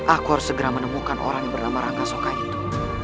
aku harus segera menemukan orang yang bernama rangkasoka itu